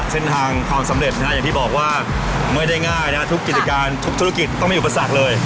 ความสำเร็จนะฮะอย่างที่บอกว่าไม่ได้ง่ายนะทุกกิจการทุกธุรกิจต้องมีอุปสรรคเลย